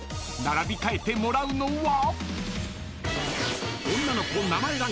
［並び替えてもらうのは］